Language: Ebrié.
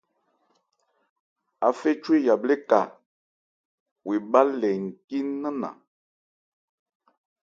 Áféchwe yabhlɛ́ ka, wo ebhá lɛ ncí nannan.